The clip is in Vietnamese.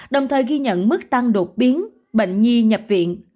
đã ghi nhận mức tăng đột biến bệnh nhi nhập viện